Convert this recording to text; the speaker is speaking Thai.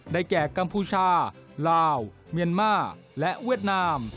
แก่กัมพูชาลาวเมียนมาและเวียดนาม